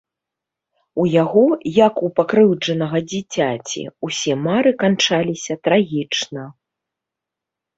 У яго, як у пакрыўджанага дзіцяці, усе мары канчаліся трагічна.